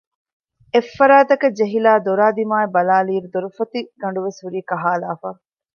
އެއްފަރާތަކަށް ޖެހިލައި ދޮރާ ދިމާއަށް ބަލާލިއިރު ދޮރުފޮތި ގަނޑުވެސް ހުރީ ކަހައިލައިފަ